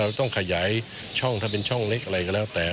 ไม่ว่าต้องขยายช่องเฉ่า